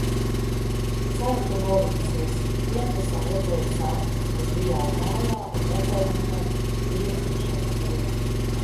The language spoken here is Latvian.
Ceru, ka norimsies. Diendusā redzēju sapni. Mēs bijām mājā un vecaimammai bija dzimšanas diena.